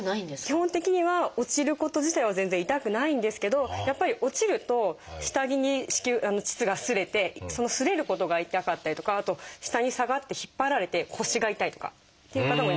基本的には落ちること自体は全然痛くないんですけどやっぱり落ちると下着に腟が擦れてその擦れることが痛かったりとかあと下に下がって引っ張られて腰が痛いとかっていう方もいますね。